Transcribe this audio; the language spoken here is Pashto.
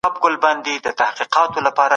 سياسي قدرت د افرادو له قدرتونو څخه جوړيږي.